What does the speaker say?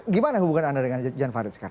gimana hubungan anda dengan jan farid sekarang